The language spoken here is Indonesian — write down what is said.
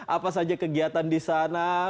apa saja kegiatan di sana